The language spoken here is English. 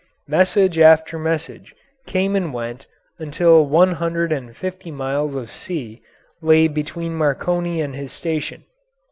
Message after message came and went until one hundred and fifty miles of sea lay between Marconi and his station.